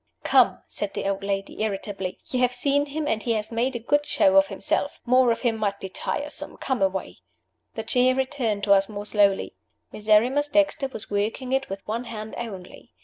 "Come!" said the old lady, irritably. "You have seen him, and he has made a good show of himself. More of him might be tiresome. Come away." The chair returned to us more slowly. Miserrimus Dexter was working it with one hand only.